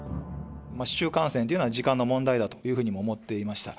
市中感染っていうのは時間の問題だというふうにも思っていました。